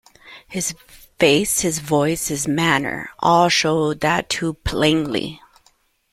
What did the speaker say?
His face, his voice, his manner, all showed that too plainly.